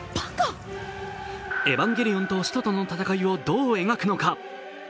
エヴァンゲリオンと使徒との戦いをどう描くのか。